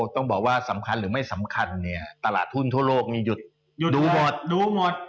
ต้องบอกว่าสำคัญหรือไม่สำคัญตลาดทุนทั่วโลกมีหยุดดูหมด